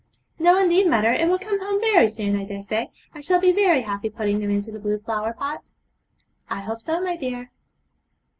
'No, indeed, mother; it will come home very soon, I dare say. I shall be very happy putting them into the blue flower pot.' 'I hope so, my dear.'